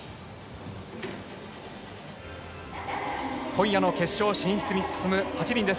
今夜の決勝進出に進む８人です。